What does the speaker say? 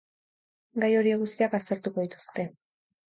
Gai horiek guztiak aztertuko dituzte.